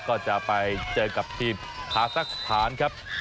ก็จะไปเจอกับทีมคาซักสถานครับ